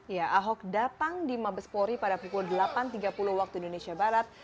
ya ahok datang di mabespori pada pukul delapan tiga puluh waktu indonesia barat